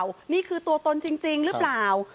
๔ลุงพลแม่ตะเคียนเข้าสิงหรือเปล่า